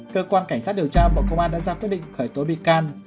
cơ quan cảnh sát điều tra bộ công an đã ra quyết định khởi tố bị can